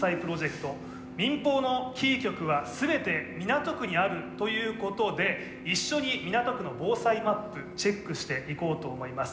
民放のキー局は全て港区にあるということで一緒に港区の防災マップチェックしていこうと思います。